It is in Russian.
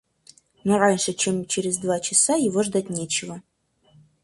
Но раньше, чем через два часа, его ждать нечего.